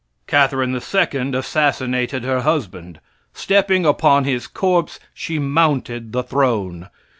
Catharine II assassinated her husband. Stepping upon his corpse, she mounted the throne.